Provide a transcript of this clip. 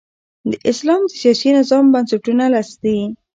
د اسلام د سیاسي نظام بنسټونه لس دي.